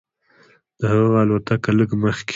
د هغه الوتکه لږ مخکې.